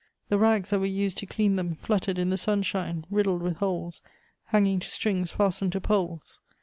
The rags that were used to clean them, fluttered in the sunshine, riddled with holes, hanging to strings fastened to poles.